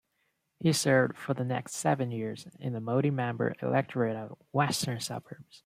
He served for the next seven years in the multi-member electorate of Western Suburbs.